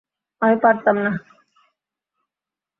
আমি পারতাম না।